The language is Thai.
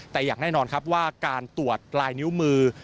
แต่อย่างแน่นอนครับว่าการตรวจลายนิ้วมือ